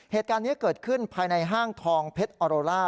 เหตุการณ์นี้เกิดขึ้นภายในห้างทองเพชรออโรล่า